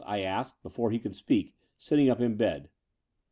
'* I asked, before he cotdd speak, sitting up in bed.